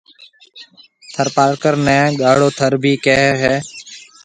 ٿر پارڪر نيَ گاڙھو ٿر ڀِي ڪيَ ھيََََ